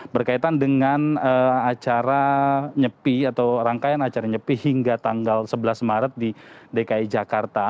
berkaitan dengan acara nyepi atau rangkaian acara nyepi hingga tanggal sebelas maret di dki jakarta